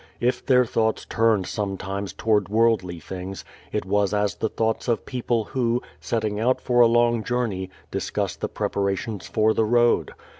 If their thoughts turned sometimes toward worldly things, it was as the thoughts of people who, setting out for a long journey, discuss the preparations for the road.